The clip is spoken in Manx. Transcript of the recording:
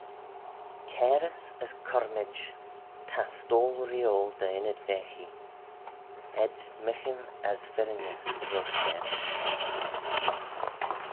Cairys as corymid ta stoyl-reeoil dty ynnyd-vaghee: hed myghin as firrinys roish dt'eddin.